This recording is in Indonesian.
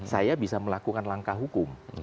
saya bisa melakukan langkah hukum